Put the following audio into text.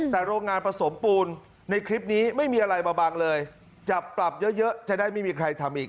แต่โรงงานผสมปูนในคลิปนี้ไม่มีอะไรมาบังเลยจับปรับเยอะจะได้ไม่มีใครทำอีก